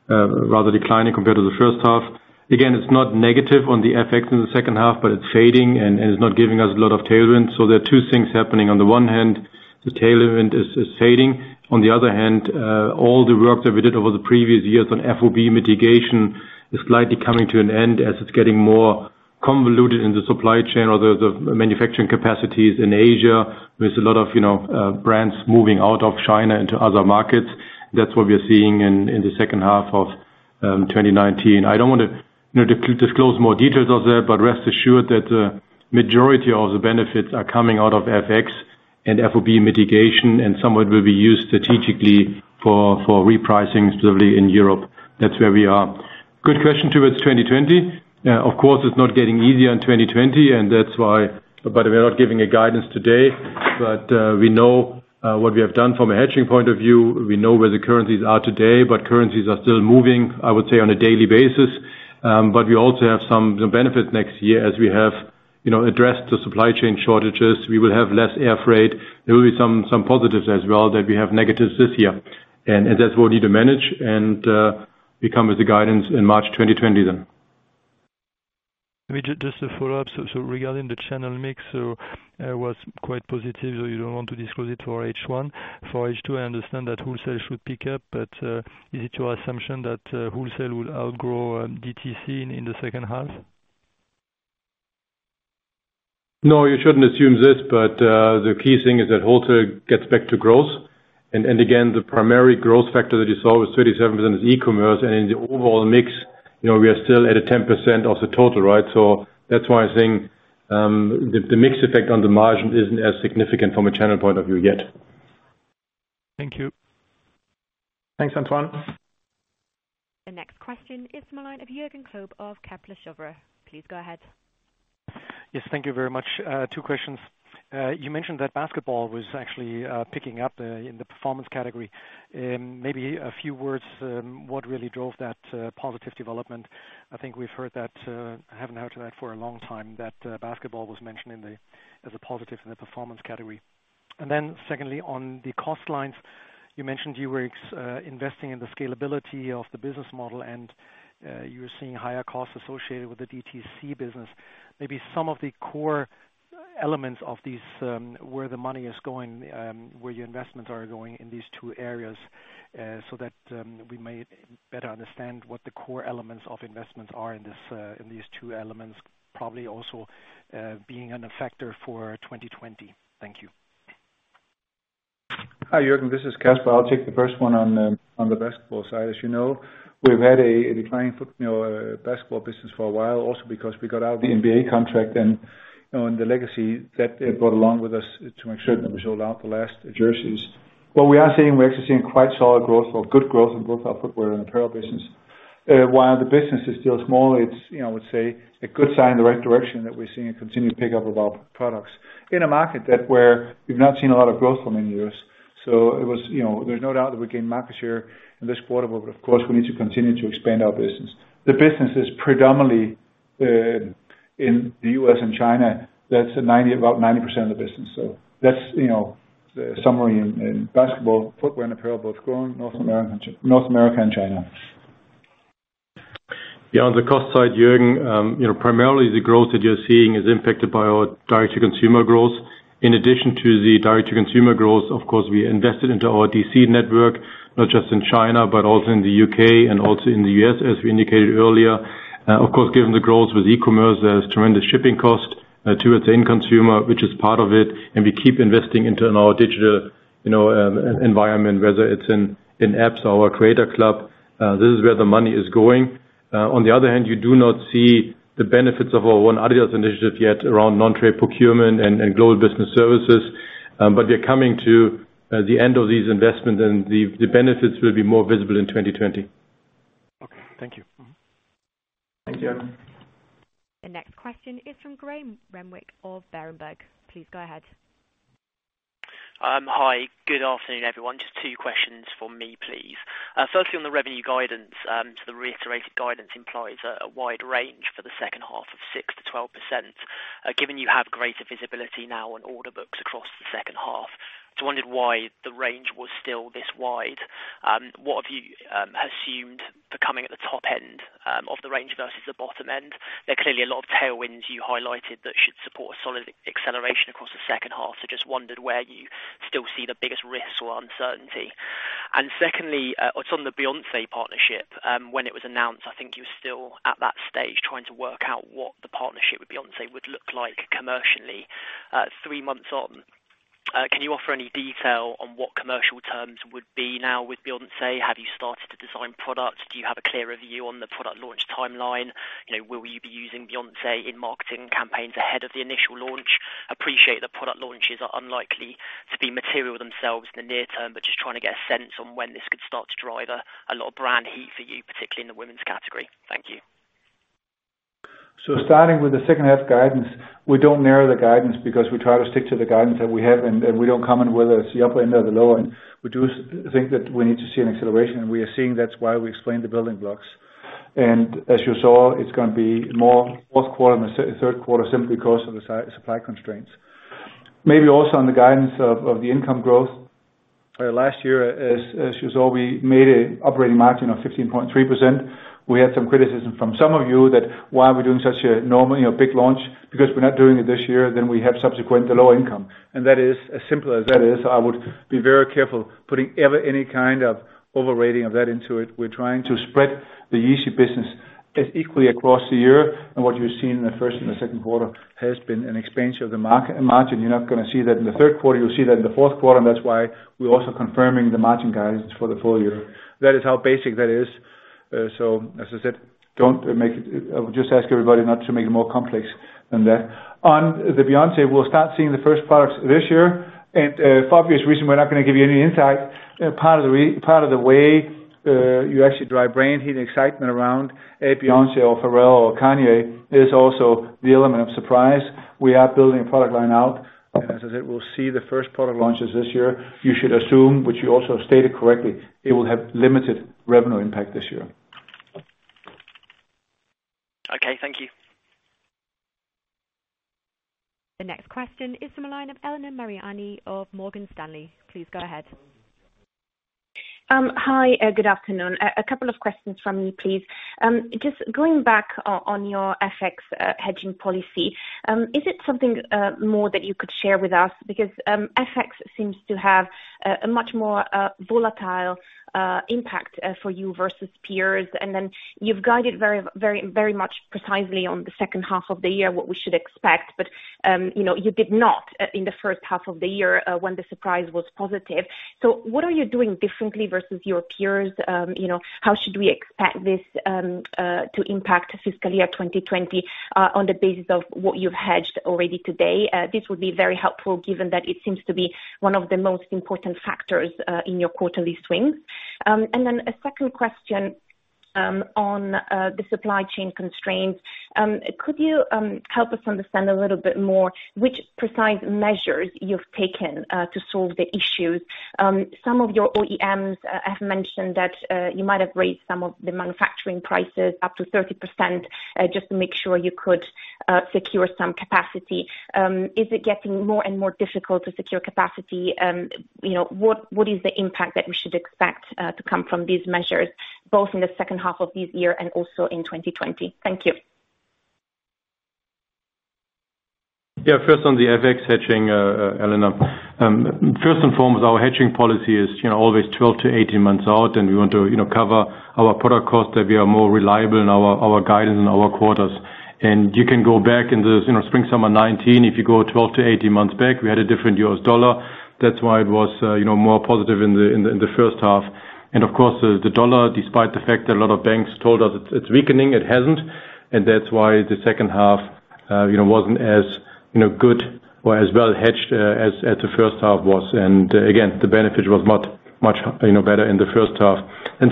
rather declining compared to the first half. Again, it's not negative on the FX in the second half, but it's fading and is not giving us a lot of tailwind. There are two things happening. On the one hand, the tailwind is fading. On the other hand, all the work that we did over the previous years on FOB mitigation is slightly coming to an end as it's getting more convoluted in the supply chain or the manufacturing capacities in Asia with a lot of brands moving out of China into other markets. That's what we're seeing in the second half of 2019. I don't want to disclose more details of that, but rest assured that majority of the benefits are coming out of FX and FOB mitigation, and some of it will be used strategically for repricing, specifically in Europe. That's where we are. Good question towards 2020. Of course, it's not getting easier in 2020, but we're not giving a guidance today. We know what we have done from a hedging point of view. We know where the currencies are today, but currencies are still moving, I would say, on a daily basis. We also have some benefits next year as we have addressed the supply chain shortages. We will have less air freight. There will be some positives as well that we have negatives this year. That's what we need to manage and we come with the guidance in March 2020 then. Maybe just a follow-up. Regarding the channel mix, so air was quite positive, so you don't want to disclose it for H1. For H2, I understand that wholesale should pick up, but is it your assumption that wholesale will outgrow DTC in the second half? No, you shouldn't assume this, but the key thing is that wholesale gets back to growth. Again, the primary growth factor that you saw was 37% is e-commerce, and in the overall mix, we are still at a 10% of the total. That's why I think the mix effect on the margin isn't as significant from a channel point of view yet. Thank you. Thanks, Antoine. The next question is from the line of Jürgen Kolb of Kepler Cheuvreux. Please go ahead. Yes, thank you very much. Two questions. You mentioned that basketball was actually picking up in the performance category. Maybe a few words, what really drove that positive development? I think we've heard that, I haven't heard of that for a long time, that basketball was mentioned as a positive in the performance category. Secondly, on the cost lines, you mentioned you were investing in the scalability of the business model and you were seeing higher costs associated with the D2C business. Maybe some of the core elements of these, where the money is going, where your investments are going in these two areas, so that we may better understand what the core elements of investments are in these two elements, probably also being a factor for 2020. Thank you. Hi, Jürgen. This is Kasper. I'll take the first one on the basketball side. As you know, we've had a declining basketball business for a while also because we got out of the NBA contract and the legacy that it brought along with us to make sure that we sold out the last jerseys. What we are seeing, we're actually seeing quite solid growth or good growth in both our footwear and apparel business. While the business is still small, it's, I would say, a good sign in the right direction that we're seeing a continued pickup of our products in a market that where we've not seen a lot of growth for many years. There's no doubt that we gained market share in this quarter, but of course, we need to continue to expand our business. The business is predominantly in the U.S. and China. That's about 90% of the business. That's the summary in basketball, footwear, and apparel both growing, North America, and China. Yeah, on the cost side, Jürgen, primarily the growth that you're seeing is impacted by our direct-to-consumer growth. In addition to the direct-to-consumer growth, of course, we invested into our DC network, not just in China, but also in the U.K. and also in the U.S., as we indicated earlier. Of course, given the growth with e-commerce, there is tremendous shipping cost to its end consumer, which is part of it. We keep investing into our digital environment, whether it's in apps, our Creators Club. This is where the money is going. On the other hand, you do not see the benefits of our One adidas initiative yet around non-trade procurement and global business services. We're coming to the end of these investments. The benefits will be more visible in 2020. Okay. Thank you. Thanks, Jürgen. The next question is from Graham Renwick of Berenberg. Please go ahead. Hi. Good afternoon, everyone. Just two questions from me, please. Firstly, on the revenue guidance, the reiterated guidance implies a wide range for the second half of 6%-12%. Given you have greater visibility now on order books across the second half, just wondered why the range was still this wide. What have you assumed for coming at the top end of the range versus the bottom end? There are clearly a lot of tailwinds you highlighted that should support a solid acceleration across the second half. Just wondered where you still see the biggest risks or uncertainty. Secondly, on the Beyoncé partnership, when it was announced, I think you were still at that stage trying to work out what the partnership with Beyoncé would look like commercially. Three months on, can you offer any detail on what commercial terms would be now with Beyoncé? Have you started to design products? Do you have a clearer view on the product launch timeline? Will you be using Beyoncé in marketing campaigns ahead of the initial launch? Appreciate that product launches are unlikely to be material themselves in the near term, just trying to get a sense on when this could start to drive a lot of brand heat for you, particularly in the women's category. Thank you. Starting with the second half guidance, we don't narrow the guidance because we try to stick to the guidance that we have, and we don't comment whether it's the upper end or the lower end. We do think that we need to see an acceleration, and we are seeing that's why we explained the building blocks. As you saw, it's going to be more fourth quarter than the third quarter simply because of the supply constraints. Maybe also on the guidance of the income growth. Last year, as you saw, we made an operating margin of 15.3%. We had some criticism from some of you that why are we doing such a normal, big launch. Because we're not doing it this year, then we have subsequent lower income. That is as simple as that is. I would be very careful putting any kind of overrating of that into it. We're trying to spread the Yeezy business as equally across the year. What you've seen in the first and the second quarter has been an expansion of the margin. You're not going to see that in the third quarter. You'll see that in the fourth quarter, that's why we're also confirming the margin guidance for the full year. That is how basic that is. As I said, I would just ask everybody not to make it more complex than that. On the Beyoncé, we'll start seeing the first products this year. For obvious reasons, we're not going to give you any insight. Part of the way you actually drive brand heat and excitement around a Beyoncé or Pharrell or Kanye is also the element of surprise. We are building a product line out. As I said, we'll see the first product launches this year. You should assume, which you also stated correctly, it will have limited revenue impact this year. Okay, thank you. The next question is from the line of Elena Mariani of Morgan Stanley. Please go ahead. Hi, good afternoon. A couple of questions from me, please. Going back on your FX hedging policy, is it something more that you could share with us? FX seems to have a much more volatile impact for you versus peers. You've guided very much precisely on the second half of the year, what we should expect. You did not in the first half of the year when the surprise was positive. What are you doing differently versus your peers? How should we expect this to impact fiscal year 2020, on the basis of what you've hedged already today? This would be very helpful given that it seems to be one of the most important factors in your quarterly swings. A second question on the supply chain constraints. Could you help us understand a little bit more which precise measures you've taken to solve the issues? Some of your OEMs have mentioned that you might have raised some of the manufacturing prices up to 30%, just to make sure you could secure some capacity. Is it getting more and more difficult to secure capacity? What is the impact that we should expect to come from these measures, both in the second half of this year and also in 2020? Thank you. Yeah. First on the FX hedging, Elena. First and foremost, our hedging policy is always 12 to 18 months out. We want to cover our product costs that we are more reliable in our guidance in our quarters. You can go back in the spring, summer 2019, if you go 12 to 18 months back, we had a different U.S. dollar. That's why it was more positive in the first half. Of course, the dollar, despite the fact that a lot of banks told us it's weakening, it hasn't. That's why the second half wasn't as good or as well hedged as the first half was. Again, the benefit was much better in the first half.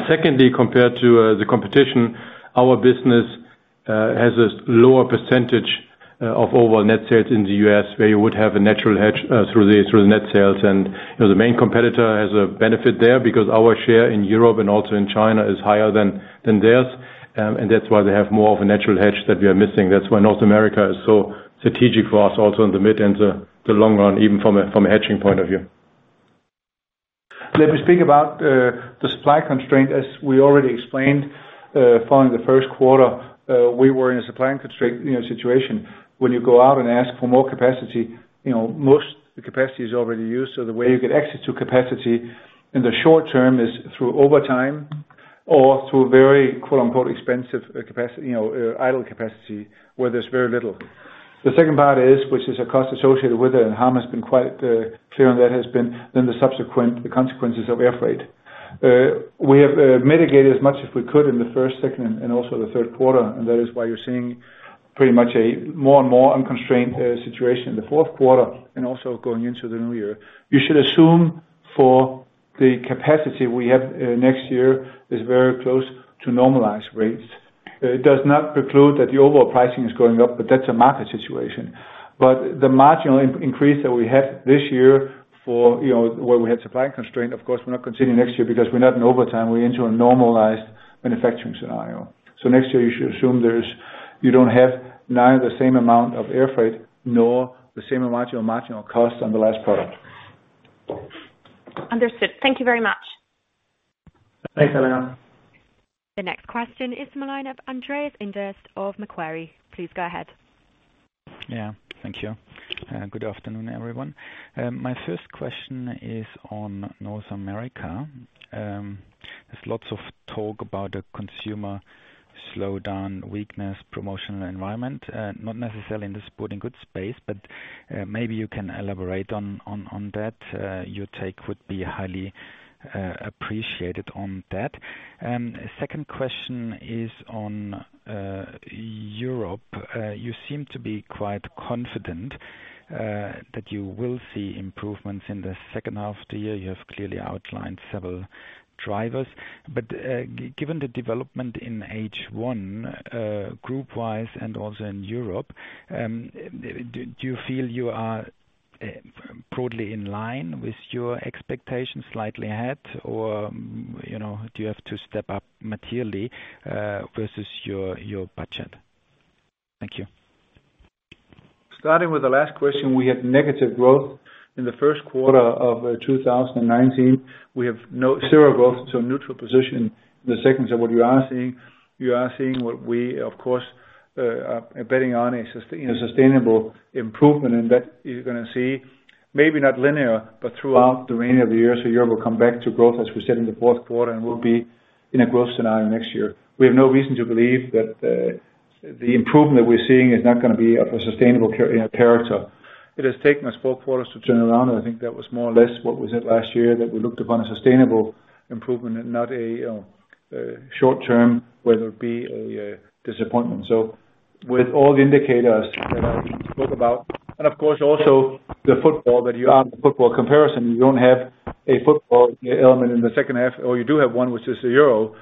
Secondly, compared to the competition, our business has a lower % of overall net sales in the U.S., where you would have a natural hedge through the net sales. The main competitor has a benefit there because our share in Europe and also in China is higher than theirs. That's why they have more of a natural hedge that we are missing. That's why North America is so strategic for us also in the mid and the long run, even from a hedging point of view. Let me speak about the supply constraint. As we already explained, following the first quarter, we were in a supply constraint situation. When you go out and ask for more capacity, most of the capacity is already used. The way you get access to capacity in the short term is through overtime or through very expensive idle capacity where there's very little. The second part is, which is a cost associated with it, and Harm has been quite clear on that has been then the subsequent consequences of air freight. We have mitigated as much as we could in the first, second, and also the third quarter, and that is why you're seeing pretty much a more and more unconstrained situation in the fourth quarter and also going into the new year. You should assume for the capacity we have next year is very close to normalized rates. It does not preclude that the overall pricing is going up, but that's a market situation. The marginal increase that we had this year where we had supply constraint, of course, we're not continuing next year because we're not in overtime. We enter a normalized manufacturing scenario. Next year you should assume you don't have neither the same amount of air freight nor the same marginal cost on the last product. Understood. Thank you very much. Thanks, Elena. The next question is from the line of Andreas Inderst of Macquarie. Please go ahead. Yeah. Thank you. Good afternoon, everyone. My first question is on North America. There is lots of talk about a consumer slowdown, weakness, promotional environment, not necessarily in the sporting goods space, but maybe you can elaborate on that. Your take would be highly appreciated on that. Second question is on Europe. You seem to be quite confident that you will see improvements in the second half of the year. You have clearly outlined several drivers. Given the development in H1 group wise and also in Europe, do you feel you are broadly in line with your expectations slightly ahead, or do you have to step up materially, versus your budget? Thank you. Starting with the last question, we had negative growth in the first quarter of 2019. We have zero growth, so neutral position in the second. What you are seeing, you are seeing what we, of course, are betting on a sustainable improvement, and that you're going to see, maybe not linear, but throughout the remainder of the year. Year will come back to growth, as we said in the fourth quarter, and we'll be in a growth scenario next year. We have no reason to believe that the improvement we're seeing is not going to be of a sustainable character. It has taken us four quarters to turn around, and I think that was more or less what was it last year that we looked upon a sustainable improvement and not a short term, whether it be a disappointment. With all the indicators that I spoke about, and of course also the football that you asked, the football comparison, you don't have a football element in the second half, or you do have one, which is the Euro.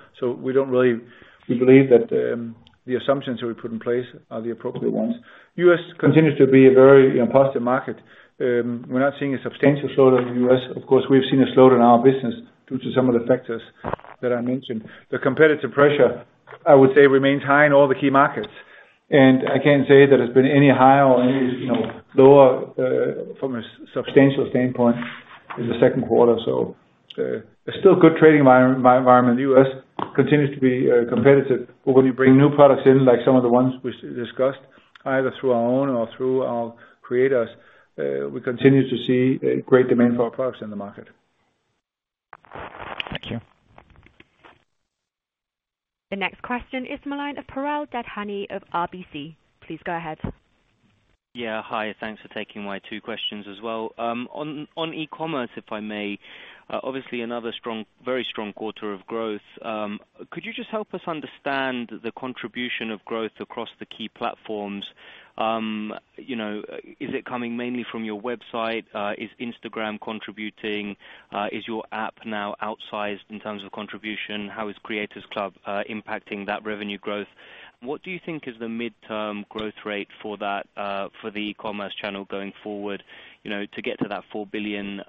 We believe that the assumptions that we put in place are the appropriate ones. U.S. continues to be a very positive market. We're not seeing a substantial slowdown in the U.S. Of course, we've seen a slowdown in our business due to some of the factors that I mentioned. The competitive pressure, I would say, remains high in all the key markets. I can't say that it's been any higher or any lower from a substantial standpoint in the second quarter. It's still a good trading environment. U.S. continues to be competitive. When you bring new products in, like some of the ones we discussed, either through our own or through our creators, we continue to see great demand for our products in the market. Thank you. The next question is from the line of Piral Dadhania of RBC. Please go ahead. Yeah. Hi, thanks for taking my two questions as well. On e-commerce, if I may, obviously another very strong quarter of growth. Could you just help us understand the contribution of growth across the key platforms? Is it coming mainly from your website? Is Instagram contributing? Is your app now outsized in terms of contribution? How is Creators Club impacting that revenue growth? What do you think is the midterm growth rate for the e-commerce channel going forward? To get to that 4 billion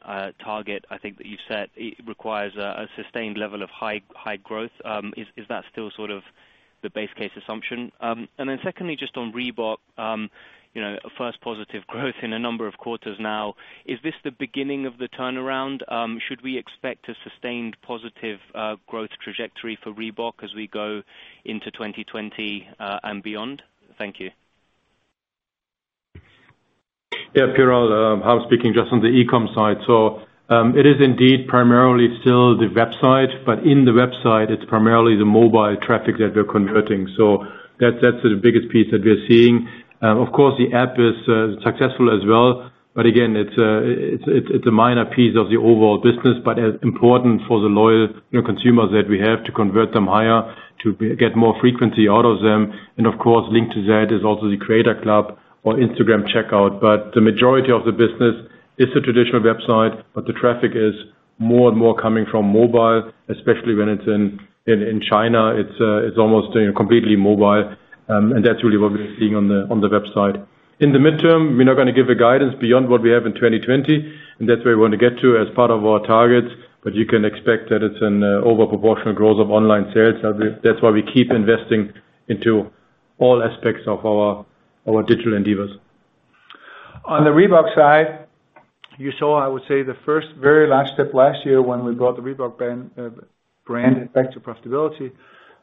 target, I think, that you've set, it requires a sustained level of high growth. Is that still sort of the base case assumption? Secondly, just on Reebok, first positive growth in a number of quarters now, is this the beginning of the turnaround? Should we expect a sustained positive growth trajectory for Reebok as we go into 2020 and beyond? Thank you. Yeah, Piral, Harm speaking. Just on the e-com side. It is indeed primarily still the website, but in the website, it's primarily the mobile traffic that we're converting. That's the biggest piece that we're seeing. Of course, the app is successful as well, but again, it's a minor piece of the overall business, but as important for the loyal consumers that we have to convert them higher, to get more frequency out of them. Of course, linked to that is also the Creators Club or Instagram checkout. The majority of the business is the traditional website, but the traffic is more and more coming from mobile, especially when it's in China. It's almost completely mobile. That's really what we're seeing on the website. In the midterm, we're not going to give a guidance beyond what we have in 2020, and that's where we want to get to as part of our targets. You can expect that it's an over proportional growth of online sales. That's why we keep investing into all aspects of our digital endeavors. On the Reebok side, you saw, I would say, the first very last step last year when we brought the Reebok brand back to profitability.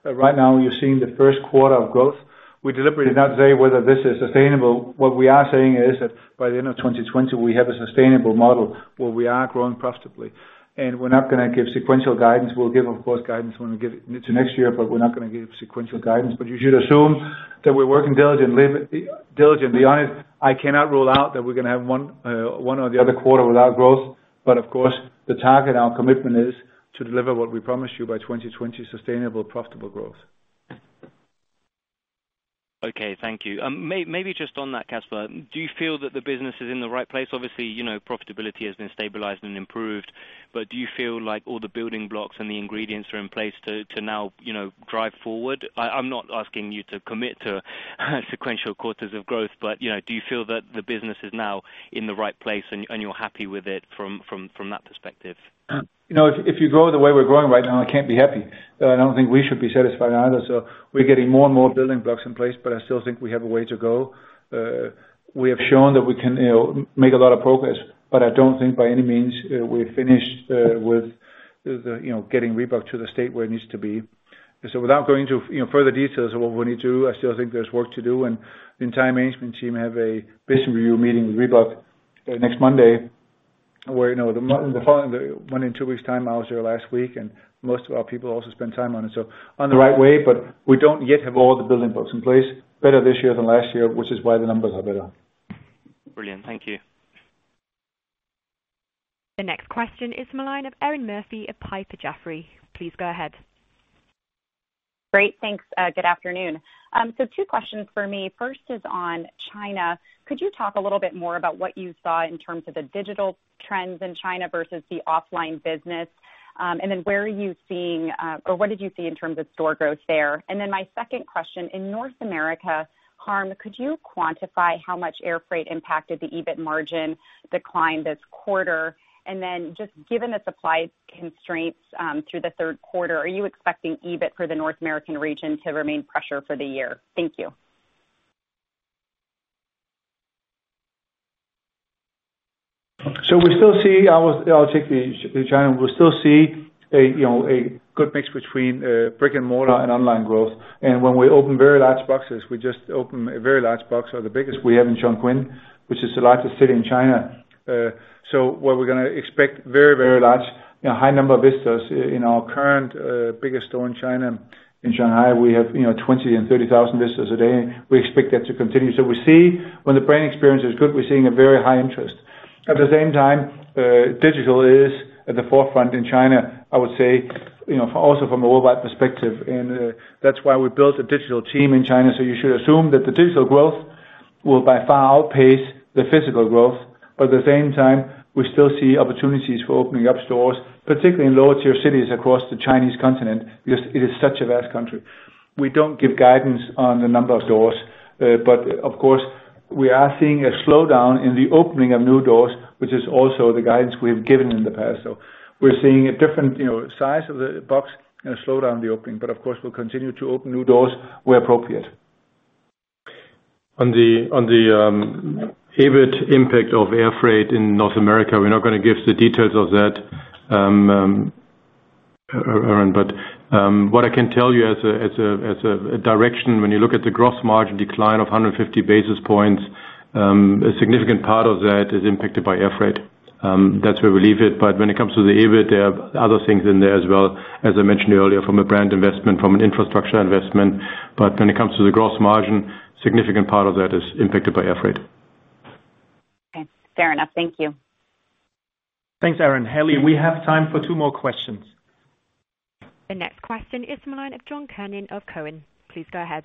Right now, you're seeing the first quarter of growth. We deliberately not say whether this is sustainable. What we are saying is that by the end of 2020, we have a sustainable model where we are growing profitably. We're not going to give sequential guidance. We'll give, of course, guidance when we get to next year, but we're not going to give sequential guidance. You should assume that we're working diligently. To be honest, I cannot rule out that we're going to have one or the other quarter without growth, but of course, the target, our commitment is to deliver what we promised you by 2020, sustainable, profitable growth. Okay, thank you. Just on that, Kasper, do you feel that the business is in the right place? Obviously, profitability has been stabilized and improved, do you feel like all the building blocks and the ingredients are in place to now drive forward? I'm not asking you to commit to sequential quarters of growth, do you feel that the business is now in the right place and you're happy with it from that perspective? If you grow the way we're growing right now, I can't be happy. I don't think we should be satisfied either. We're getting more and more building blocks in place, but I still think we have a way to go. We have shown that we can make a lot of progress, but I don't think by any means we're finished with getting Reebok to the state where it needs to be. Without going into further details of what we need to do, I still think there's work to do, and the entire management team have a business review meeting with Reebok next Monday, where the following one in two weeks' time, I was there last week, and most of our people also spend time on it, so on the right way, but we don't yet have all the building blocks in place. Better this year than last year, which is why the numbers are better. Brilliant. Thank you. The next question is from the line of Erinn Murphy of Piper Jaffray. Please go ahead. Great. Thanks. Good afternoon. Two questions for me. First is on China. Could you talk a little bit more about what you saw in terms of the digital trends in China versus the offline business? Where are you seeing, or what did you see in terms of store growth there? My second question, in North America, Harm, could you quantify how much air freight impacted the EBIT margin decline this quarter? Just given the supply constraints through the third quarter, are you expecting EBIT for the North American region to remain pressure for the year? Thank you. We still see, I'll take the China. We still see a good mix between brick and mortar and online growth. When we open very large boxes, we just open a very large box or the biggest we have in Chongqing, which is the largest city in China. What we're going to expect very, very large, high number of visitors in our current biggest store in China. In Shanghai, we have 20,000 and 30,000 visitors a day. We expect that to continue. We see when the brand experience is good, we're seeing a very high interest. At the same time, digital is at the forefront in China, I would say, also from a worldwide perspective, and that's why we built a digital team in China. You should assume that the digital growth will by far outpace the physical growth. At the same time, we still see opportunities for opening up stores, particularly in lower tier cities across the Chinese continent because it is such a vast country. We don't give guidance on the number of stores. Of course, we are seeing a slowdown in the opening of new doors, which is also the guidance we have given in the past. We're seeing a different size of the box and a slowdown the opening. Of course, we'll continue to open new doors where appropriate. On the EBIT impact of air freight in North America, we're not going to give the details of that, Erinn. What I can tell you as a direction, when you look at the gross margin decline of 150 basis points, a significant part of that is impacted by air freight. That's where we leave it. When it comes to the EBIT, there are other things in there as well, as I mentioned earlier, from a brand investment, from an infrastructure investment. When it comes to the gross margin, significant part of that is impacted by air freight. Okay. Fair enough. Thank you. Thanks, Erinn. Haley, we have time for two more questions. The next question is from the line of John Kernan of Cowen. Please go ahead.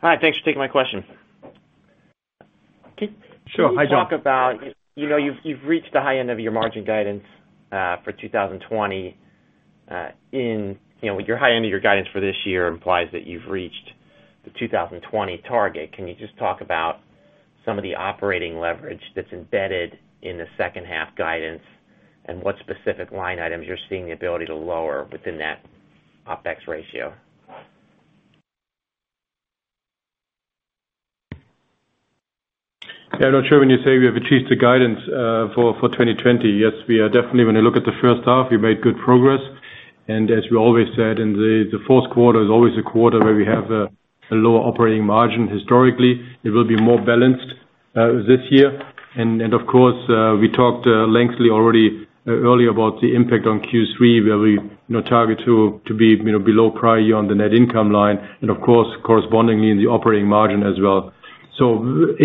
Hi, thanks for taking my question. Sure. Hi, John. Can you talk about, you've reached the high end of your margin guidance for 2020. Your high end of your guidance for this year implies that you've reached the 2020 target. Can you just talk about some of the operating leverage that's embedded in the second half guidance and what specific line items you're seeing the ability to lower within that OpEx ratio? Yeah, John, sure. When you say we have achieved the guidance for 2020, yes, we are definitely, when you look at the first half, we made good progress. As we always said in the fourth quarter is always a quarter where we have a lower operating margin historically. It will be more balanced this year. Of course, we talked lengthy already earlier about the impact on Q3 where we target to be below prior year on the net income line and of course correspondingly in the operating margin as well.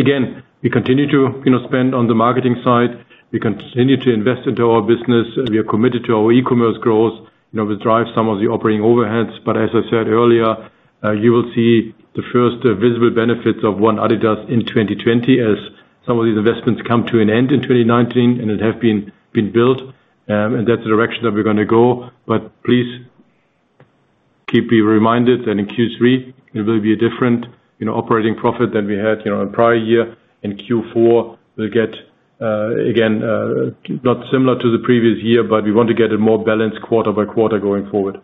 Again, we continue to spend on the marketing side. We continue to invest into our business. We are committed to our e-commerce growth. We drive some of the operating overheads. As I said earlier, you will see the first visible benefits of One adidas in 2020 as some of these investments come to an end in 2019 and it have been built. That's the direction that we're going to go. Please keep being reminded that in Q3 it will be a different operating profit than we had in prior year. In Q4, we'll get, again, not similar to the previous year, but we want to get a more balanced quarter by quarter going forward.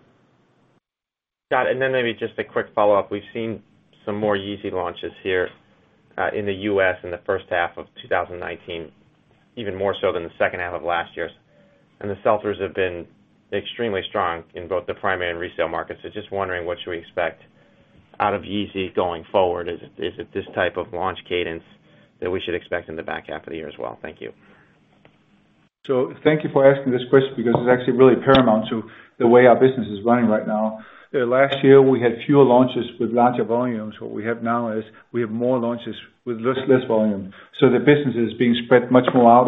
Got it. Then maybe just a quick follow-up. We've seen some more Yeezy launches here in the U.S. in the first half of 2019, even more so than the second half of last year's. The sell-throughs have been extremely strong in both the primary and resale markets. Just wondering what should we expect out of Yeezy going forward? Is it this type of launch cadence that we should expect in the back half of the year as well? Thank you. Thank you for asking this question because it's actually really paramount to the way our business is running right now. Last year, we had fewer launches with larger volumes. What we have now is we have more launches with less volume, so the business is being spread much more out.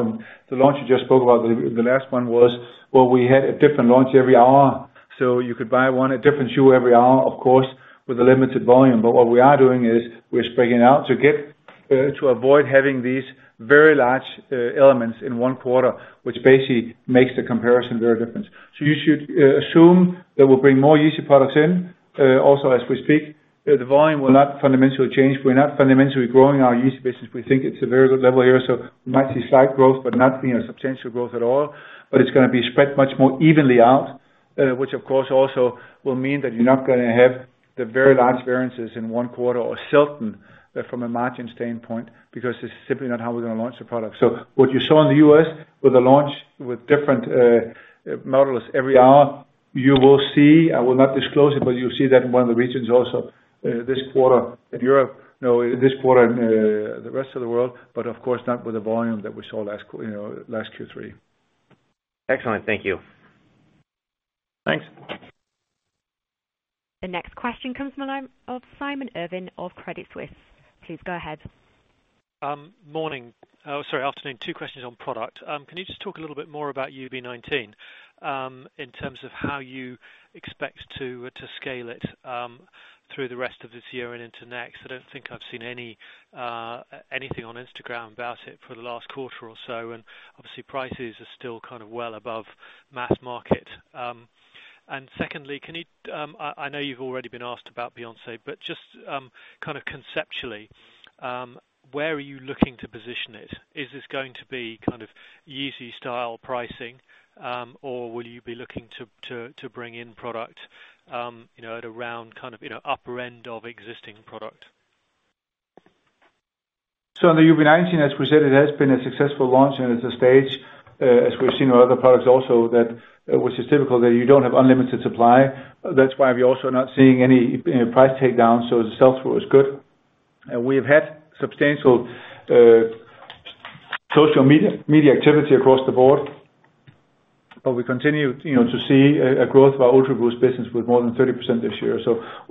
The launch you just spoke about, the last one was where we had a different launch every hour. You could buy one, a different shoe every hour, of course, with a limited volume. What we are doing is we're spreading out to avoid having these very large elements in one quarter, which basically makes the comparison very different. You should assume that we'll bring more Yeezy products in. As we speak, the volume will not fundamentally change. We're not fundamentally growing our Yeezy business. We think it's a very good level here. Might see slight growth but not substantial growth at all. It's going to be spread much more evenly out, which of course also will mean that you're not going to have the very large variances in one quarter or still from a margin standpoint because it's simply not how we're going to launch the product. What you saw in the U.S. with a launch with different models every hour, you will see, I will not disclose it, but you'll see that in one of the regions also this quarter in Europe, this quarter in the rest of the world, but of course not with the volume that we saw last Q3. Excellent. Thank you. Thanks. The next question comes from the line of Simon Irwin of Credit Suisse. Please go ahead. Morning. Oh, sorry. Afternoon. Two questions on product. Can you just talk a little bit more about Ultraboost 19, in terms of how you expect to scale it through the rest of this year and into next? I don't think I've seen anything on Instagram about it for the last quarter or so, and obviously prices are still well above mass market. Secondly, I know you've already been asked about Beyoncé, but just conceptually, where are you looking to position it? Is this going to be kind of Yeezy style pricing? Will you be looking to bring in product at around upper end of existing product? On the UB19, as we said, it has been a successful launch and it's a stage, as we've seen with other products also which is typical, that you don't have unlimited supply. That's why we're also not seeing any price takedown. The sell-through is good. We have had substantial social media activity across the board, but we continue to see a growth of our Ultraboost business with more than 30% this year.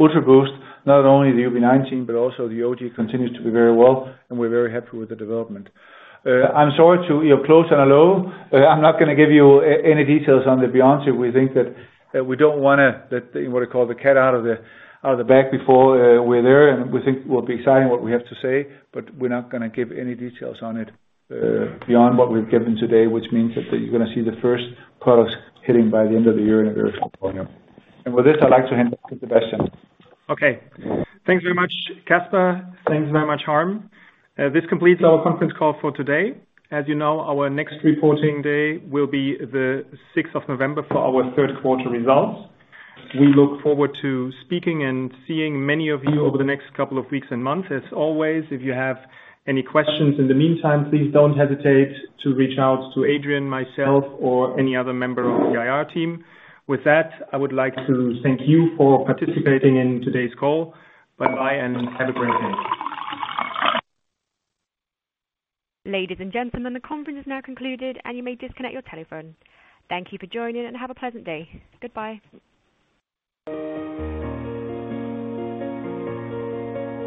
Ultraboost, not only the UB19 but also the OG continues to do very well and we're very happy with the development. I'm sorry to close on a low. I'm not going to give you any details on the Beyoncé. We think that we don't want to let, what they call, the cat out of the bag before we're there, and we think we'll be excited what we have to say, but we're not going to give any details on it beyond what we've given today, which means that you're going to see the first products hitting by the end of the year in a very small volume. With this, I'd like to hand back to Sebastian. Okay. Thanks very much, Kasper. Thanks very much, Harm. This completes our conference call for today. As you know, our next reporting day will be the 6th of November for our third quarter results. We look forward to speaking and seeing many of you over the next couple of weeks and months. As always, if you have any questions in the meantime, please don't hesitate to reach out to Adrian, myself, or any other member of the IR team. With that, I would like to thank you for participating in today's call. Bye-bye, and have a great day. Ladies and gentlemen, the conference is now concluded, and you may disconnect your telephone. Thank you for joining, and have a pleasant day. Goodbye.